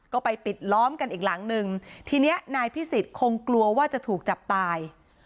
ก็ไปปิดล้อมกันอีกหลังนึงทีเนี้ยนายพิสิทธิ์คงกลัวว่าจะถูกจับตาย